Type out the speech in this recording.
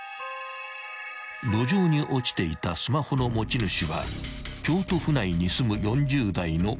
［路上に落ちていたスマホの持ち主は京都府内に住む］